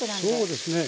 そうですね。